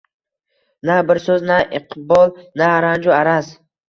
Na bir so’z, na iqbol, na ranju araz.